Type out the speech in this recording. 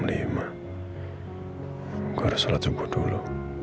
harus sholat subuh dulu